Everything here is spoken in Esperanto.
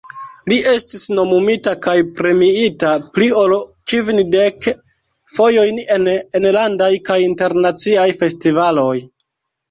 Ŝi estis nomumita kaj premiita pli ol kvindek fojojn en enlandaj kaj internaciaj festivaloj.